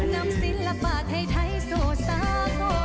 นำศิลปะไทยไทยโสสากลตลอดกาล